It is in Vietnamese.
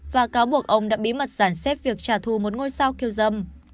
và cáo buộc ông đã bí mật giản xét việc trả thu một ngôi sao kiêu dâm